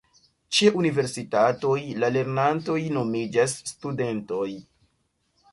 Ĉe universitatoj la lernantoj nomiĝas studentoj.